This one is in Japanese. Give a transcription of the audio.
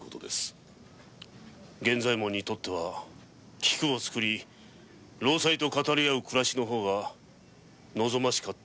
源左衛門にとっては菊を作り老妻と語り合う暮らしの方が望ましかったであろうに。